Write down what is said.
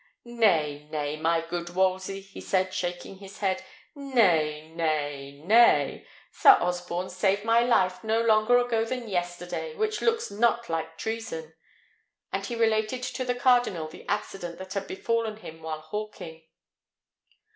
"Nay, nay, my good Wolsey," he said, shaking his head: "nay, nay, nay; Sir Osborne saved my life no longer ago than yesterday, which looks not like treason;" and he related to the cardinal the accident that had befallen him while hawking.